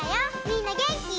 みんなげんき？